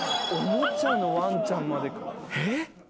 おもちゃのワンちゃんまで。